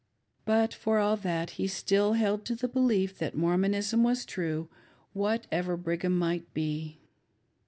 But for all that, he still held to the belief thsSt Mormonism was true, whatever Brigham might be.